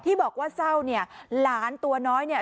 บอกว่าเศร้าเนี่ยหลานตัวน้อยเนี่ย